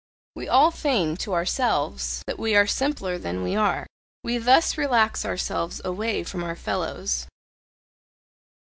We all feign to ourselves that we are simpler than we are, we thus relax ourselves away from our fellows.